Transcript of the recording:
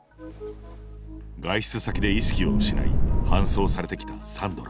外出先で意識を失い搬送されてきたサンドロ。